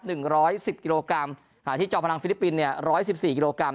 หนึ่งร้อยสิบกิโลกรัมขณะที่จอมพลังฟิลิปปินส์เนี่ยร้อยสิบสี่กิโลกรัม